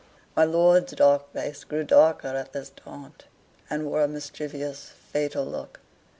My lord's dark face grew darker at this taunt, and wore a mischievous, fatal look.